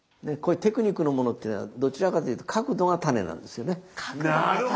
こういうテクニックのものっていうのはどちらかというと角度がタネなんですよね。